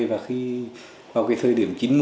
vào thời điểm chín mươi